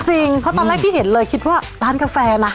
เพราะตอนแรกที่เห็นเลยคิดว่าร้านกาแฟล่ะ